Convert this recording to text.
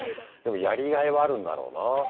でもやりがいはあるんだろうなぁ